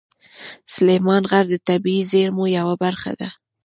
سلیمان غر د طبیعي زیرمو یوه برخه ده.